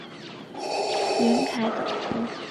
袁侃早卒。